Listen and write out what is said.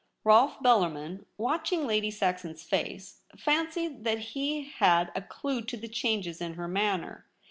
Rolfe Bellarmin, watching Lady Saxon's face, fancied that he had a clue to the changes in her manner.